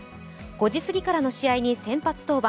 ５時過ぎからの試合に先発登板。